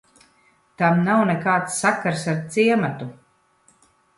Tam nav nekāds sakars ar ciematu.